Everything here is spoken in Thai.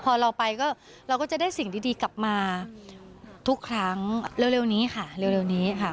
แต่พอเราไปเราก็จะได้สิ่งดีกลับมาทุกครั้งเร็วนี้ค่ะ